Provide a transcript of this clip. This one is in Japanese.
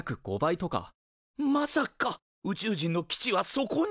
まさか宇宙人の基地はそこに？